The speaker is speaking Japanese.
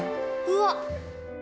うわっ！